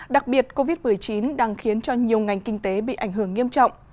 đặc biệt covid một mươi chín đang khiến cho nhiều ngành kinh tế bị ảnh hưởng nghiêm trọng